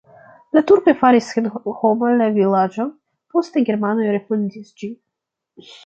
La turkoj faris senhoma la vilaĝon, poste germanoj refondis ĝin.